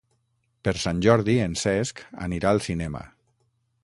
Per Sant Jordi en Cesc anirà al cinema.